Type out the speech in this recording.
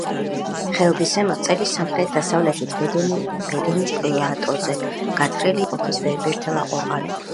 ხეობის ზემო წელის სამხრეთ-დასავლეთით, ბედენის პლატოზე, გათხრილია შუაბრინჯაოს ეპოქის ვეებერთელა ყორღანები.